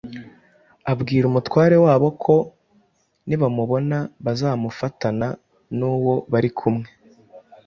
Abwira umutware wabo ko nibamubona bazamufatana n’uwo bari kumwe